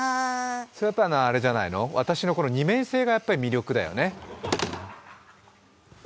それはやっぱりあれじゃないの、私の二面性がやっぱり魅力だよね